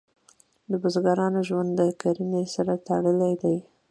د بزګرانو ژوند د کرنې سره تړلی دی.